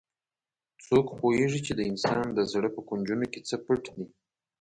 څوک پوهیږي چې د انسان د زړه په کونجونو کې څه پټ دي